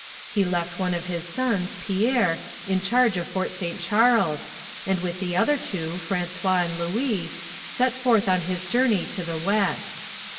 He left one of his sons, Pierre, in charge of Fort St Charles, and with the other two, François and Louis, set forth on his journey to the West.